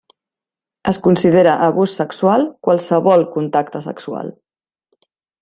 Es considera abús sexual qualsevol contacte sexual.